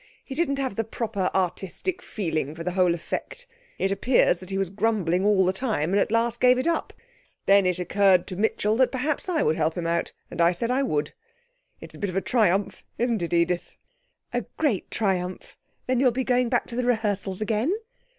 He didn't have the proper artistic feeling for the whole effect; it appears that he was grumbling all the time and at last gave it up. Then it occurred to Mitchell that perhaps I would help him out, and I said I would. It is a bit of a triumph, isn't it, Edith?' 'A great triumph. Then you will be going back to the rehearsals again?'